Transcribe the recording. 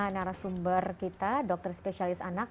narasumber kita dokter spesialis anak